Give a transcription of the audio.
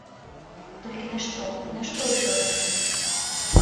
Толькі нашто, нашто ўсё гэта?